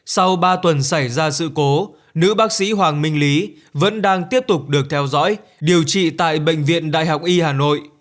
sau ba tuần xảy ra sự cố nữ bác sĩ hoàng minh lý vẫn đang tiếp tục được theo dõi điều trị tại bệnh viện đại học y hà nội